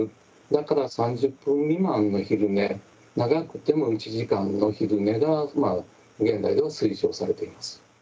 だから３０分未満の昼寝長くても１時間の昼寝が現在では推奨されています。